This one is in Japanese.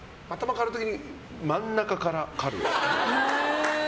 刈る時に真ん中から刈る。